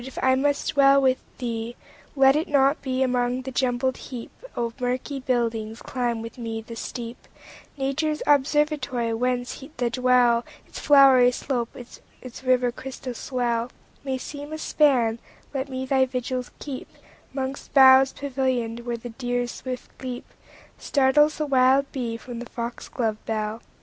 if I must with thee dwell, Let it not be among the jumbled heapOf murky buildings; climb with me the steep,—Nature's observatory—whence the dell, Its flowery slopes, its river's crystal swell, May seem a span; let me thy vigils keep'Mongst boughs pavillion'd, where the deer's swift leapStartles the wild bee from the fox glove bell.